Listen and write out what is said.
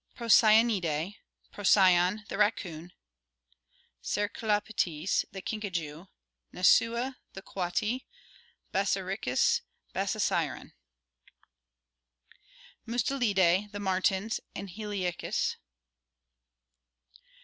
Procyonidae: Procyon, the racoon; Cercoleptesf the kinkajou; Nasua, the coati; Bassariscus, Bassaricyon. . Mustelidae: the martens, and Helictis.